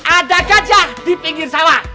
ada gajah di pinggir sawah